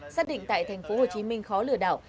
xác định tại tp hcm khó lửa đảo